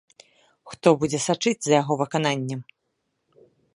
Хто будзе сачыць за яго выкананнем?